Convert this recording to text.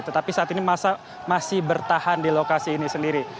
tetapi saat ini masa masih bertahan di lokasi ini sendiri